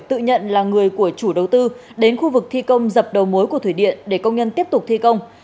tự nhận là người của chủ đầu tư đến khu vực thi công dập đầu mối của thủy điện để công nhân tiếp tục thi công